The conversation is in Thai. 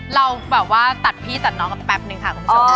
เราแบบว่าตัดพี่ันน้องกำแปบหนึ่งค่ะ